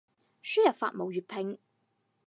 輸入法冇粵拼